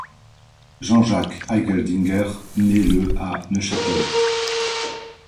Jean-Jacques Eigeldinger naît le à Neuchâtel.